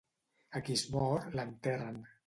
A qui es mor, l'enterren.